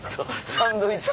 サンドイッチ。